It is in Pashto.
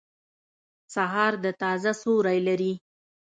سهار د تازه سیوری لري.